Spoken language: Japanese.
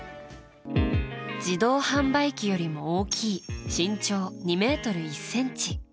自動販売機よりも大きい身長２ｍ１ｃｍ。